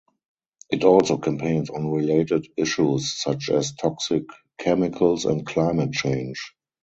It also campaigns on related issues such as toxic chemicals and climate change.